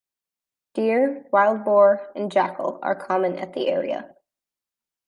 Deer, wild boar and jackal are common at the area.